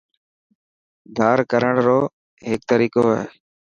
ڌار ڪرڻ رو هيڪ طريقو هي.